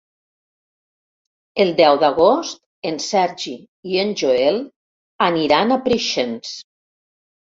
El deu d'agost en Sergi i en Joel aniran a Preixens.